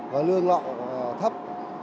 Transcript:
và lương lọ thấp